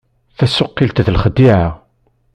Tasuqilt d lexdiɛa.